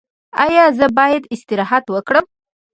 ایا زه باید استراحت وکړم؟